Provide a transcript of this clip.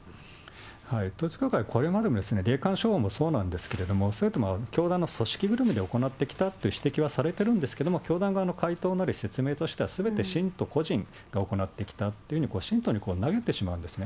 統一教会、これまで、霊感商法もそうなんですけれども、教団が組織ぐるみで指摘はされてるんですけれども、教団側の回答まで説明としてはすべて信徒個人が行ってきたと信徒に投げてしまうんですね。